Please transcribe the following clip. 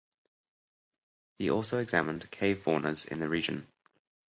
He also examined cave faunas in the region.